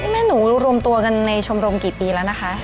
แม่หนูรวมตัวกันในชมรมกี่ปีแล้วนะคะ